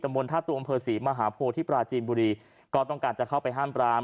บนท่าตัวอำเภอศรีมหาโพที่ปราจีนบุรีก็ต้องการจะเข้าไปห้ามปราม